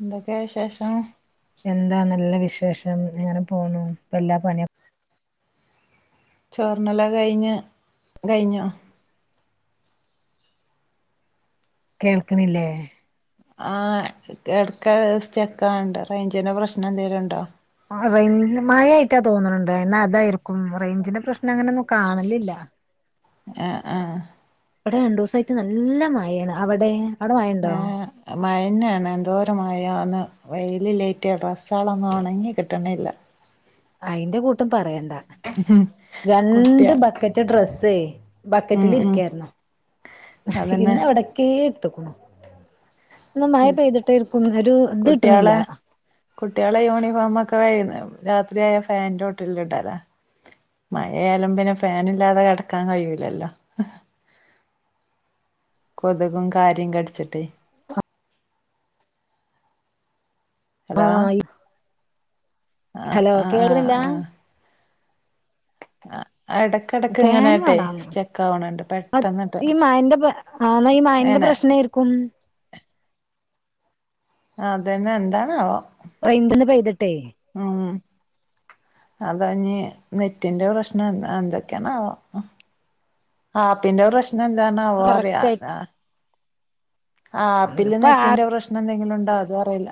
എന്തൊക്കെയ വിശേഷം. എന്താ നല്ല വിശേഷം ഇങ്ങനെ പോണു ഇപ്പല്ലാ പണിയ ചോർണ്ണലൊക്കെകഴിഞ്ഞ് കഴിഞ്ഞോ. കേൾക്കണില്ലേ ആ ഇടക്ക് സ്റ്റെക്കാണ്ട് റേഞ്ചിന്റെ പ്രശ്നം എന്തെലും ഉണ്ടോ. അ റൈ മയായിട്ട തോന്നണുണ്ട് എന്നാ അതായിരിക്കും റേഞ്ചിന്റെ പ്രശ്നം അങ്ങനെ ഒന്നും കാണലില്ല. ആഹ ആഹ് ഇവിടെ രണ്ടുസായിട്ട് നല്ല മായയാണ് അവിടെ അവിടെ മയണ്ടോ. ഏഹ് മഴന്നെയാണ് എന്തോര മഴ ഒന്ന് വെയിലിലേറ്റ് ഡ്രസ്സാളൊന്നും ഒ ണങ്ങി കിട്ടണില്ല. അയിന്റെ കൂട്ടം പറയണ്ട ഉം കുട്ടിയ രണ്ട് ബക്കറ്റ്.. ഡ്രസ്സേ ഉം ബക്കറ്റിൽ ഉം ഇരിക്കായിരുന്നു അതന്നെ ഇന്നവിടെ.. ക്കേട്ടുകുണു ഒന്ന് മഴ പെയ്തിട്ടേര് ക്കും ഒരുത് കിട്ടണില്ല. കുട്ടികളെ യൂണിഫോക്കെ വഴിയുരാത്രിയായ ഫാനിന്റെ ചോ ട്ടിലിടാല മഴയാലും പിന്നെ ഫാനില്ലാതെ കിടക്കാൻ കഴിയൂലല്ലോ. കൊതുകും കാര്യം കടിച്ചിട്ടേ. ആ ഹലോ യിഹ് ആഹ് ഹലോ ആഹ് ആഹ് കേൾക്ക്ണില്ല. ആ അട.. കിടക്ക് ഫാന് ഇങ്ങനായിട്ടെ വേണം സ്റ്റക്കാ വണണ്ട് പെട്ടെന്നിട്ട് ഈ മഴന്റെ ആ എന്നാ ഈ മഴന്റെ ങ്ങനെ.. പ്രശ്നായിരിക്കും അതെന്നെന്താണാവോ റൈഞ്ചിന്ന് പെയ്തിട്ടേ.. ഉം അതാഞ്ഞി നെറ്റിന്റെ പ്രശ്നം എന്തൊക്കെയാണാവൊ. ആഹ പിന്നെ പ്രശ്നം എന്തണോവൊ കറക്റ്റ് ആയി അറിയാത.. ആ ആപ്പില് ഇപ്പ നെറ്റിന്റെ പ്രശ്നം ന്തെങ്കിലും ഉണ്ടോ അതു അറിയില്ല.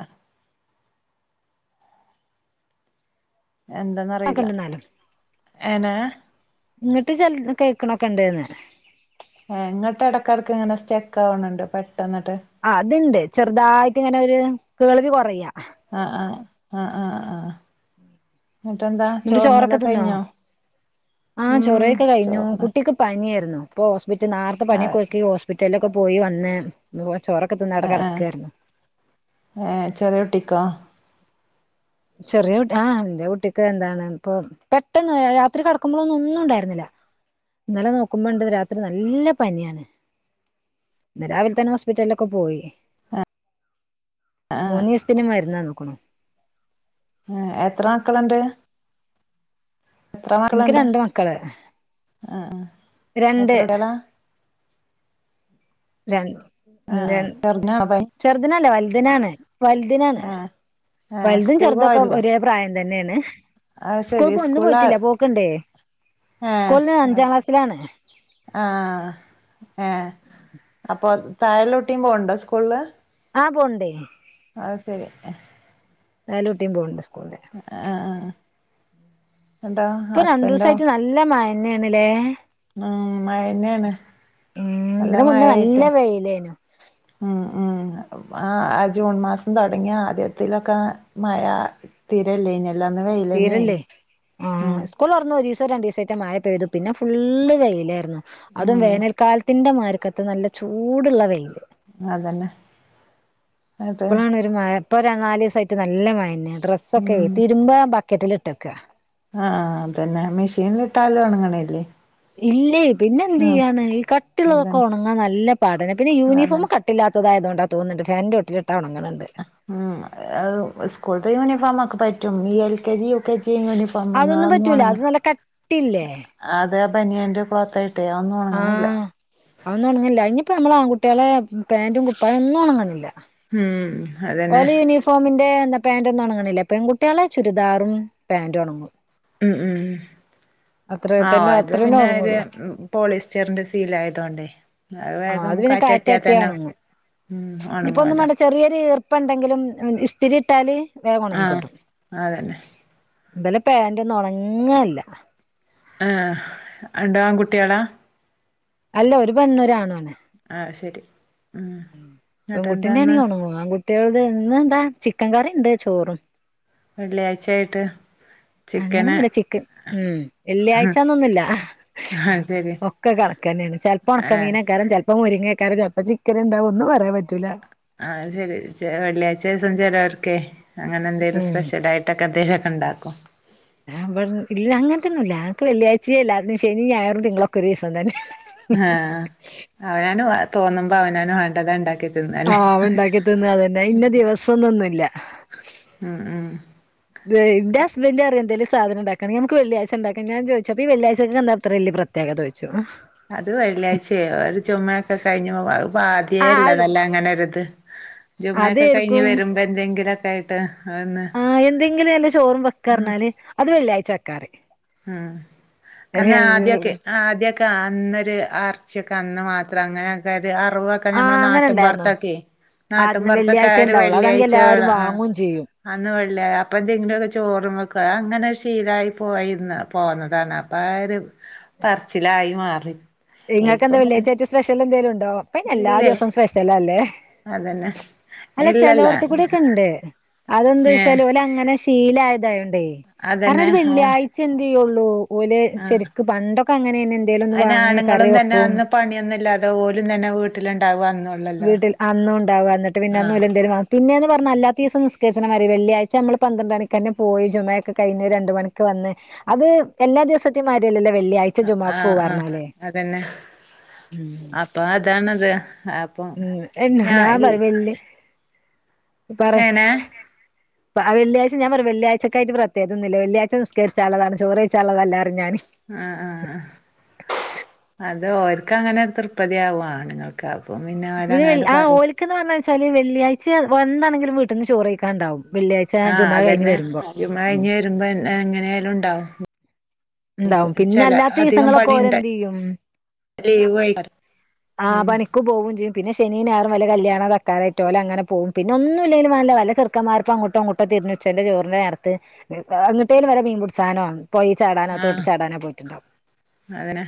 ആകെ എന്താന്നറിയില്ല ഉണ്ടെന്നാലും ഏനെ.. ഇങ്ങട്ട് ചിലത് കേൾക്കണൊക്കെ ണ്ടേന്ന്. ഇങ്ങട്ട ടക്കിടയ്ക്‌ങ്ങനെ സ്റ്റെക്ക് ആവണണ്ട് പെട്ടെന്നിട്ട്. ആ അത്ണ്ട് ചെറുതായിട്ട്ങ്ങനെ ഒരു കേൾവി കുറയാ. ആഹ് ആഹ ആഹ് ആഹ ആഹ എന്നിട്ടെന്താ എന്നിട്ട് ചോറൊക്കെ ചോർണ്ണലൊക്കെ തിന്നോ കഴിഞ്ഞോ. ആഹ് ഉം ചൊറഴിയൊക്കെ കഴിഞ്ഞു ചോറിന് കുട്ടിക്ക്. പനിയാരുന്നു ഇപ്പൊ ഹോസ്പിറ്റൽ നേരത്തെ പണി ആഹ് യൊക്കെതുക്കി ഹോസ്പിറ്റലിലൊക്കെ പോയിവന്ന്. ഒ ചോറൊക്കെ തിന്നഅടെ കെ ടക്കാരുന്നു. ഏഹ ചെറിയൊട്ടിക്കൊ. ചെറിയ ആഹ് എന്റെ കുട്ടിക്ക് എന്താണ് പ്പൊ.. പെട്ടെന്ന് രാത്രി കി ടക്കുമ്പോളൊ ന്നും ഒന്നുണ്ടായിരുന്നില്ല. ഇന്നലെ നോക്കുമ്പോണ്ട് രാത്രി നല്ല പനിയാണ്. ന്ന് രാവിലെ തന്നെ ഹോസ്പിറ്റലിലൊക്കെ പോയി. മൂന്നീസത്തിനുമരുന്ന്ന്നേക്കുണു. ഉ എത്ര മക്കളുണ്ട്. എത്ര എനിക്ക് മക്കളുണ്ട് രണ്ട് മക്കള് ആ ആ രണ്ട്. എത്ര കുട്ടികളാ ര ഉ ആ ര ചെറുതിനാണോ പനി ചെറുതിനല്ല വലുതിനാണ് വലുതിനാണ്. ആ ആ വലുതും സ്കൂൾ ചെറുതുക്കെ പോവലില്ലേ ഒരേ പ്രായം തന്നേണ്. അത് ശരി സ്കൂൾപ്പോ ഒന്നും സ്കൂളില് പോയിട്ടില്ല പോക്കണ്ടേ സ്കൂളില് അഞ്ചാം ക്ലാസ്സിലാണ്. ആഹ് ഏ. അപ്പൊ താഴ ള്ളട്ടിയും പോണ് ണ്ടോ സ്കൂളില്. ആഹ് പോൻണ്ടേ. അ ശരി. നാല്ട്ടിയും പോകുൻണ്ട് സ്കൂളില്. ഹ് ഹ് ഹ്. ഇപ്പൊ രണ്ടൂസം ആയിട്ട് നല്ല മഴ ന്നെയാണല്ലേ. ഉം മഴന്നെയാണ് ഉ നല്ല ഇതിന് മുന്നേ നല്ല വെയിലയ്നു. ആഹ് ആഹ് ആ ആ ജൂൺ മാസം തുടങ്ങിയ ആദ്യത്തിലൊക്കെ മഴ തീരെ ഇല്ലെനിയല്ലോ ഇല്ലന്ന് വെയില് തന്നെ നി ഉ. സ്ക്കൂൾ തുറന്ന് ഒരു ദിവസം രണ്ട് ദിവ സെറ്റെ മഴ പെയ്തു. പിന്നെ ഫുള്ള് വെയിലായിരുന്നു. അതും ഉം വേനൽക്കാലത്തിന്റെ മരക്കത്ത് നല്ല ചൂടുള്ള വെയില്. അതന്നെ. അതെ ഇപ്പോഴാണ് ഒരു മഴ ഇപ്പൊ ഒരു നാല് ദിവസ ആയിട്ട് നല്ല മഴ ഡ്രസ്സ് ഒക്കെ ഉം തിരുമ്പാൻ ബക്കറ്റിൽ ഇട്ടക്ക. ആ അതന്നെ മെഷീനിലിട്ടാലും ഉണങ്ങണേല്ലേ. ഇല്ലേ, പിന്നെ എന്ത് ചെയ്യാണ് ഈ കട്ടിയുള്ളതൊക്കെ അതന്നെ ഉണങ്ങാൻ നല്ല പാടന് പിന്നെ യൂണിഫോം അതന്നെ ക ഇല്ലാത്ത ആയതുകൊണ്ടാ തോന്നന്നുണ്ട് ഫാന്റെ ചോട്ടിലിട്ടാൽ ഉണങ്ങണെണ്ട്. ഉം സ്കൂളിലെത്തെ യൂണിഫോമ് ഒക്കെ പറ്റും. ഈ L K G, U K G uniform അതൊന്നും പറ്റൂല അത് നല്ല കട്ടിയില്ലേ. അതെ ആ ബനിയന്റെ ക്ലോത്ത് ആ അതൊന്നും ഉണങ്ങില്ല. അതനിയിപ്പോ നമ്മളുടെ ആൺകുട്ടികളുടെ പാന്റും കുപ്പായം ഒന്നും ഉണങ്ങുന്നില്ല. ഉം അതന്നെ. ഓലെ യൂണിഫോമിന്റെ പാന്റ് ഒന്നും ഉണങ്ങണില്ല. പെൺകുട്ടികളുടെ ചുരിദാറും പാന്റ് ഉണങ്ങും. ഉം ഉം അത്ര ആഹ് തന്നെ അത് അത്രേന്നേ പിന്നെ ഒരു ഉറങ്ങുള്ളൂ. പോളിസ്റ്ററിന്റെ സീൽ ആയതോണ്ടേ. അത് ആഹ് വേഗം പിന്നെ കാറ്റട്ടിയാൽ കാറ്റട്ടിയ തന്നെ ഉണങ്ങ ഇനിയിപ്പോ ഒന്നും ഉണങ്ങോലോ. വേണ്ട ചെറിയൊരു ഈർപ്പം ഉണ്ടെങ്കിലും ഇസ്തിരി ഇട്ടാല് വേഗം ഉണങ്ങി ആഹ് കിട്ടും. അതന്നെ ഇബലെ പാന്റ് ഒന്നും ഉണങ്ങല്ല. ആ രണ്ട് ആൺകുട്ടികളാ അല്ല ഒരു പെണ്ണും ഒരു ആൺ ആണ്. ആ ശരി. ഉം പെൺകുട്ടിന്റെ എന്നിട്ടെന്താന്ന് ആണെങ്കി ഉണങ്ങോ ആൺകുട്ടികളേത് ഇന്ന് എന്താ ചിക്കൻ കറിയുണ്ട് ചോറും. വെള്ളിയാഴ്ച ആയിട്ട്. അങ്ങനെന്നില്ല ചിക്കൻ ഉ. വെള്ളിയാഴ്ച ഒന്നൊന്നുമില്ല. ആഹ് ശരി ഒക്കെ കണക്ക് തന്നെയാണ്. ചെലപ്പോ ഉണക്ക ഏഹ് മീൻ കാണും. ചെ ചെലപ്പം മുരിങ്ങക്കാരം ചിലപ്പ ചിക്കൻ ഇണ്ടാവും ഒന്നും പറയാൻ പറ്റൂല. ആ അത് ശരി വെള്ളിയാഴ്ച ദിവസം ചിലവർക്കെ അങ്ങനെ എന്തെങ്കിലും ഉം സ്പെഷ്യൽ ആയിട്ട്. ട്ടൊക്കെ എന്തേലൊക്കെ ണ്ടാക്കും. ഇല്ല അങ്ങനതൊന്നും ഇല്ല. ആൾക്ക് വെള്ളിയാഴ്ചയില്ല. ശനിയും ഞായറും തിങ്കളുമൊക്കെ ഒരു ദിവസം തന്നെ. ആ ഹ അവനവന് തോന്നുമ്പോ അവനവന് വേണ്ടത് ഇണ്ടാക്കി. ആ തിന്നല്ലേ ഉണ്ടാക്കി തിന്ന അതന്നെ ഇന്ന ദിവസൊന്നൊന്നുമില്ല. ഉം ഉം. എന്റെ ഹസ്ബന്റ് പറയും എന്തേലും സാധനം ഉണ്ടാക്കണമെങ്കി ഞമ്മക്ക് വെള്ളിയാഴ്ച ഉണ്ടാക്കാ ഞാൻ ചോദിച്ചപ്പോ വെള്ളിയാഴ്ചക്ക് എന്താ ഇത്ര വലിയ പ്രത്യേ പ്രത്യേകത ചോദിച്ചു. അത് വെള്ളിയാഴ്ചയോ ഒരു ജുമയൊക്കെ കഴിഞ്ഞ് ആ ആദ്യേയല്ലോ നല്ല അങ്ങനെ ഒരു ഇത്. ജുമൊക്കെ കഴിഞ്ഞ് അതേർക്കും വരുമ്പോ എന്തെങ്കിലൊക്കെ ആയിട്ട്. ഒന്ന് ആ എന്തെങ്കിലും നല്ല ചോറും ഉം വെക്കാറിഞ്ഞാല് അത് വെള്ളിയാഴ്ച വെക്കാറിം ഉം കാരണം ആദ്യക്കെ. ആദ്യൊക്കെ അന്നൊരു അർച്ചിക്കെ അന്ന് മാത്രം അങ്ങനെയൊക്കെ ഒരു അറവ് ക്കെ ആ ഞമ്മെ അങ്ങനെ നാട്ടിൻ ഉണ്ടായിരുന്നു പുറത്തൊക്കെ ആ നാട്ടിൻ പുറത്തൊക്കെ വെള്ളിയാഴ്ച ഒരു ഉണ്ടാവുള്ളൂ അതാണെങ്കി വെള്ളിയാഴ്ച എല്ലാരും കാ ആ. വാങ്ങും ചെയ്യും അന്ന് വെള്ളി അപ്പൊ എന്തെങ്കിലു ഒക്കെ ചോറും വെക്ക അങ്ങനെ ശീലമായി പോയി. പോന്നതാണ് അപ്പൊ ആയൊരു പറച്ചിലായി മാറി. നിങ്ങൾക്ക് എന്താ ഇപ്പം വെള്ളിയാഴ്ച പിന്നെ ആയിട്ട് സ്പെഷ്യൽ എന്തേലും ഉണ്ടോ? പിന്നെ എല്ലാ ഇല്ലേ ദിവസവും സ്പെഷ്യൽ അല്ലേ. അതന്നെ അല്ല ഇല്ലല്ല ചേലോടിത്തികൂടിക്കെ ഉണ്ട് അതെന്താ ഏ വെച്ചാല ഓല് അങ്ങനെ ശീലായതായൊണ്ടേ കാരണം അതന്നെ ഒരു ആ വെള്ളിയായ് ച്ച എന്ത് ചെയ്യുള്ളൂ ഓല് ആ ശെരിക്ക് പണ്ടൊക്കെ അങ്ങനെ തന്നെ എന്തേലും ഒന്ന് വാങ്ങേ ഞങ്ങളും തന്നെ അന്ന് പണിയൊന്ന് ഇല്ലാതെ ഓലും തന്നെ വീട്ടിലുണ്ടാകു അന്ന് വീട്ടിൽ അന്നു ഉണ്ടാവും അന്നിട്ട് പിന്നെ ഒന്നു എന്തേലും പിന്നെന്ന് പറഞ്ഞൽ അല്ലാത്ത ദിവസ നിസ്കരിച്ചണി വെള്ളിയാഴ്ച നമ്മൾ പന്ത്രണ്ട് മണിക്കന്നെ പോയി ജുമ ഒക്കെ കഴിഞ്ഞ് രണ്ട് മണിക്ക് വന്ന് അത് എല്ലാ ദിവസതേം മാരിയല്ലല്ലോ വെള്ളിയാഴ്ച ആ ആ ജുമാക്ക് ആ പോവാന്ന് പറഞ്ഞാല് ഉം പ്പ അതാണത് അഹ് ഉം [unintelligible] പറി ഏനെ പ്പ വെള്ളിയാഴ്ച്ച ഞാൻ പറ വെള്ളാഴ്ചക്കായി പ്രത്യകിചോന്നില്ല വെള്ളിയഴ്ച നിസ്കരിച്ച ഉള്ളത ചോറഴ്ച്ച ഉള്ളതല്ല പറിം ഞാൻ ആഹ് ആഹ് ആഹ് അത് ഓർക്ക്‌ അങ്ങനെ തൃപതിയാവോ ആണുങ്ങൾ ക്ക അപ്പോ പിന്നെ പിന്നെ ഓരങ്ങട് ആഹ് പറയും ഓലക്ക് എന്ന് പറഞ്ഞ വെച്ചാല് വെള്ളിയാച്ച വന്നാണെങ്കിലും വീട്ടിന്ന് ചോറ് കഴിക്കന്നുണ്ടാവും വെള്ളിയായ് ച്ച ജുമാ കൈഞ് വരുമ്പോ ഉം രുമ്പോ എങ്ങനെയാലും ഉണ്ടാവും ഇപ്പൊ ഉണ്ടാവും പിന്നെ ചില അല്ലാത്ത അധികം ദിവസങ്ങളൊക്കെ പണിണ്ട് ഓലെന്ത് ചെയ്യും ലീവ് ആഹ് ഉം പണി ഒക്ക് പോവും ചെയ്യും പിന്നെ ശനിം ഞായറും വല്ല കല്യാണ തക്കാലുവായിട്ട് ഓല് അങ്ങനെ പോവും പിന്നൊന്നു ഇല്ലേൽ വല്ല ചെർക്കന്മാറും അങ്ങോട്ടും ഇങ്ങട്ടും ഇപ്പൊ തിരുനുച്ചന്റെ ചോറിന് നേരത്ത് എന്നിട്ടേന് വരെ മീൻമ്പുടിചാനോ പോയെ ചാടാ തോട്ടി ആഹ് ചാടാനാ പോയിട്ടുണ്ടാവും അതന്നെ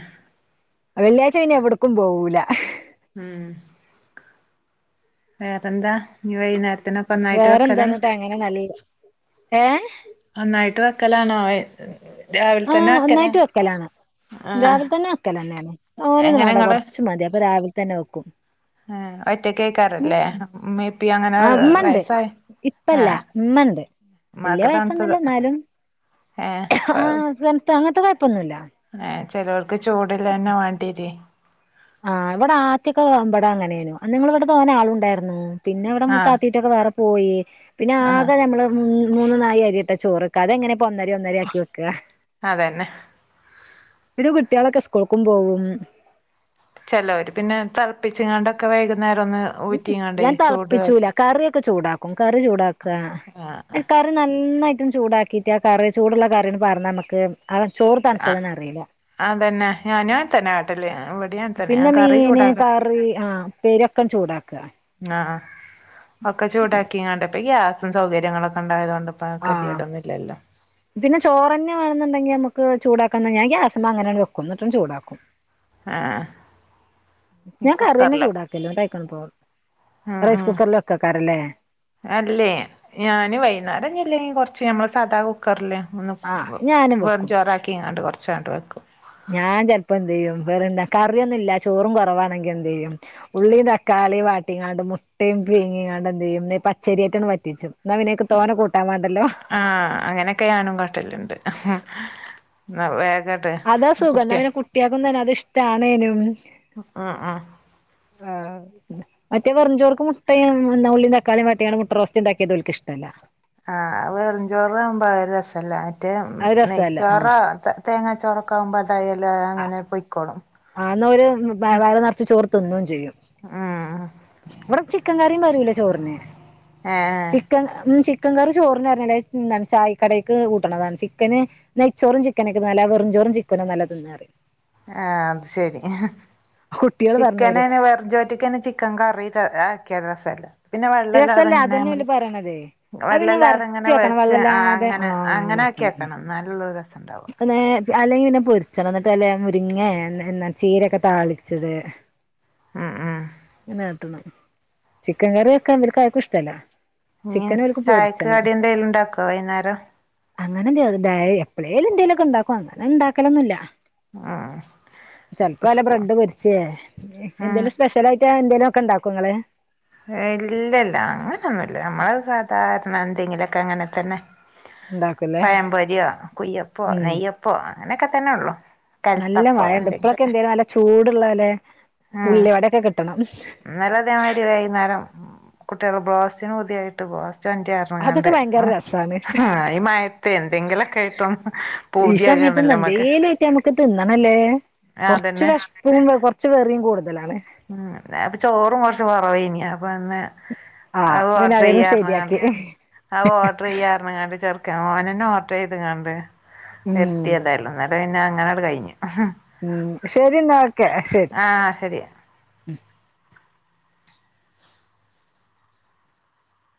വെള്ളിയാഴ്ച പിന്നി എവിടക്കും പോവൂല ഉം വേറെന്താ ഇനി വൈകുന്നേരത്തിനൊക്കെ ഒന്നായിട്ട് വെക്കല എങ്ങന നല്ലേ ഏഹ് ഒന്നായിട്ട് വെക്കലാണോ രാവിലെ തന്നെ ആഹ് വെക്കല ഒന്നായിട്ട് വെക്കലാണ് രാവിലെ തന്നെ വെക്കല ഞാൻ തോന്നെ ഒന്നു എങ്ങനെ വേണ്ട ഇങ്ങള് കൊറച്ച് മതി അപ്പൊ രാവിലെ തന്നെ വെക്കും ഏഹ് ഒറ്റക്ക്‌ യിക്കാറില്ലേ മ്മി പ്പി അങ്ങനെ ആ ഇമ്മണ്ട് വയസ്സായ് ഇപ്പല്ല ആഹ് ഇമ്മണ്ട് വല്ല്യ വയസ്സൊന്നില്ല എന്നാലും ഏഹ് കൊ ആഹ് സ്നത്ത് അങ്ങനത്തെ കുഴപ്പൊന്നില്ല ഏഹ് ചിലോക്ക് ചൂടല്ലന്നെ വേണ്ടീവരുവേ ആഹ് ഇവിടെ ആദ്യോക്കെ ഇവിടെ അങ്ങനനു നിങ്ങളെ അവിടൊക്കെ അങ്ങനെ ആളുണ്ടായിരുന്നു പിന്നെ ഇവിടെ ആഹ് മൂത്തത്തി ത്തി വേറെ പോയി പിന്നെ ആഹ് ആകെ നമ്മള് മൂന്ന് നായി അരിട്ട ചോറേക്ക അതെങ്ങനെ പോ ഒന്നര ഒന്നര ആക്കി വെക്ക അതന്നെ പിന്നെ കുട്ട്യാളൊക്കെ സ്കൾക്കും പോവും ചിലർ പിന്നെ തിളപ്പിച്ച് ഇങ്ങാണ്ടൊക്കെ വൈകുന്നേരം ഒന്ന് ഊറ്റിങ്ങാണ്ടേ ഞാൻ ചൂട് തിളപ്പിച്ചൂല കറിയൊക്കെ ചൂടാക്കും കറി ചൂടാക്ക ക റി നന്നായിട്ടൊന്ന് ചൂടാക്കിട്ട് ആ കറി ചൂടുള്ള കറിന്ന് പറഞ്ഞ നമുക്ക് ആ ചോറ് ആഹ് തണുത്തതന്നെ അറിയില്ല അതന്നെ ഞാനും അതന്നെ കാട്ടാല് ഇവി പിന്നെ മീന് കറി ആഹ് പെരോക്കം ചൂടാക്ക ആഹ് ഒക്കെ ചൂടാക്കിങ്ങാണ്ട് പ്പ ഗ്യാസും സൗകര്യങ്ങളൊക്കെ ഉണ്ടായതൊണ്ട് ആ [unintelligible] പിന്നെ ചോറന്നെവേണോന്നുണ്ടെങ്കിൽ നമുക്ക് ചൂടാക്കണ ഞാൻ ഗ്യാസമെ അങ്ങനന്നെ വെക്കും എന്നിട്ടു ചൂടാക്കും ആഹ് ഞാൻ കറി തന്നെ കുക്കറില് ചൂടാക്കല്ല ഉം [unintelligible] റൈസ് ഉം കുക്കറില്ക്ക്‌ വെക്കാറില്ലേ അല്ലേ ഞാന് വൈകുന്നേരല്ലെങ്കി കൊറച്ച് നമ്മ സദാ കു ക്കറില്ല് ഒന്ന് ആ ഞാനും വെറും വെക്കും ചോറാക്കി ഇങ്ങാണ്ട് കുറച്ചണ്ട് വെക്കും ഞാൻ ചിലപ്പോ എന്തേയ്യും വേറെന്താ കറിയൊന്നുല്ല ചോറും കുറവാണെങ്കി എന്തെയ്യും ഉള്ളിയും തക്കാളിയും വാട്ടിങ്ങാണ്ട് മുട്ടയും പിങ്ങി ഇങ്ങാണ്ട് എന്തെയ്യും പച്ചരി ആയിറ്റ് വറ്റിച്ചു എന്നാ പിന്ന അയ്ക്ക് തോന്ന കൂട്ടാൻ വേണ്ടല്ലോ ആഹ് അങ്ങനെയൊക്കെ ഞാനും കാട്ടലുണ്ട് വേഗം അതാ സുഖം പിന്നെ കുട്ട്യാൾക്കും അത് തന്നെ ഇഷ്ടണേനും ആഹ് ആഹ് ആഹ് മറ്റേ വെറും ചോർക്ക് മുട്ടയും ഉള്ളിയും തക്കാളിയും വഴറ്റിയാണ്ണ് മുട്ട റോസ്റ്റ് ഉണ്ടാക്കിയത് ഓർക്ക് ഇഷ്ടമല്ല ആഹ് വെറുംചോറ് ആവുമ്പോ ഒരു രസ ല്ലെ മറ്റേ അത് രസല്ല ആഹ് നെയ്ച്ചോറോ തേങ്ങാ ചോറെക്കെ ആവുമ്പോ അതായെല്ലാം അങ്ങനെ പൊയ്ക്കോളും ആഹ് ന്നൊരു വയറ് നിറച്ച് ചോർ തിന്നും ചെയ്യും ഉം ചിക്കൻ കറിയും വരൂലേ ചോറിന് ആഹ് ചിക്കൻ ഉം ചിക്കൻ കറി ചോറിന് പറഞ്ഞല്ലേ എന്താണ് ചായക്കടക്ക് കൂട്ടണതാണ് ചിക്കന് നെയ്ചോറും ചിക്കനെക്കാളും നല്ല വെറുംചോറും ചിക്കനും നല്ലതനന്ന് പറയും ആഹ് അത് ശെരി കുട്ടികള് പറഞ്ഞു ചിക്കന് തരും അതിന് വെറും ചോറുക്ക് ചിക്കന് ചിക്കൻ കറി ആക്കിയ രസല്ല പിന്നെ വെള്ളം ഇല്ലാതെ രസല്ല അങ്ങനെ അതന്നെ ഓല് നമ്മള് പറയണതേ അത് പിന്നെ വരട്ടി വെള്ളല്ലാതെങ്ങനെ വെക്കണം വെച്ച് ആഹ് വെള്ളല്ലാതെ അങ്ങനെ ആഹ് അങ്ങനെ ആക്കി വെക്കണം എന്നാലെ ഒരു രസം ഉണ്ടാവാ അല്ലെങ്കിൽ പിന്നെ പൊരിച്ചണം അന്നിട്ട് മുരിങ്ങാ ചീരയൊക്കെ താളിച്ചത് ഉം ഉം ട്ടണ് ചിക്കൻ കറി വെക്കാൻ ഇവർക്ക് ആർക്കും ഇഷ്ടല്ല ഇനി ചിക്കൻ ഓൽക്ക് ചായക്ക് പൊരിച്ചണം കടി എന്തേലും ഉണ്ടാക്കോ വൈകുന്നേരം അങ്ങനെ എന്ത്യാന്തായ എപ്പഴേലും എന്തേലൊക്കെ ഉണ്ടാക്കും അങ്ങനെ ഉണ്ടാക്കലൊന്നും ഇല്ല ഉം ചെലപ്പോ വല്ല സ്കൂ ബ്രെഡ് പൊരിച്ചേ ഉം എന്തേലും സ്പെഷ്യൽ ആയിട്ട് എന്തേലും ഒക്കെ ഉണ്ടാക്കോ ങ്ങള് ഇല്ല ല്ലാ അങ്ങനെയൊന്നുല്ല നമ്മള് സാധാരണ എന്തെങ്കിലക്കെ അങ്ങനെ തന്നെ ഉണ്ടാക്കുംല്ലേ പയം പൊരിയോ കുയ്യപ്പോ ഉം നെയ്യപ്പോ അങ്ങനക്കെ തന്നെ ഉള്ളു കൽത്തപ്പം എന്തെങ്കിലും ചൂടുള്ളലെ ഉള്ളി വടയെക്കെ കിട്ടണം ഇന്നലെ ഇതെമാതിരി വൈകുന്നേരം കുട്ടികൾ ബ്രോസ്റ്റിന് പൂതിയായിട്ട് അതൊക്കെ ഭയങ്കര ബ്രോസ്റ്റു രസാണ് [unintelligible] ആഹ് ഈ മയത്ത് എന്തെങ്കിലൊക്കെ ആയിട്ടൊന്ന് ഈ സമയത്ത്ന്ന് പൂതിയാകണല്ലോ എന്തേലും കിട്ടിയാ നമ്മുക്ക് തിന്നണല്ലേ ആഹ് അതന്നെ ച്ച് വെഷപ്പും കുറച്ച് വെറിയും കൂടുതലാണ് ഉം അപ്പൊ ചോറും കുറച്ച് കുറവാരുന്നു അപ്പൊ ഇന്ന് ആഹ് അത് പിന്നെ അതിനും ഓർഡറെയ്യാന്ന് പറഞ്ഞു ശരിയാക്കി കൊണ്ട് അത് ഓർഡറെയ്യാ ങ്ങാണ്ട് ചെർക്കൻ ഓന് തന്ന ഓർഡർ ചെയ്തുകാണ്ടു ഉം ഹെൽത്തിയല്ലല്ലേ പ്പൊ പിന്നെ അങ്ങനെ അത്കഴിഞ്ഞു ഉം ശരി ന്നാ ഓക്കെ ശരി ആഹ് ശരി